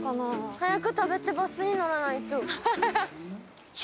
早く食べてバスに乗らないと。